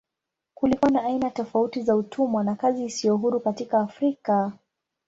Kulikuwa na aina tofauti za utumwa na kazi isiyo huru katika Afrika.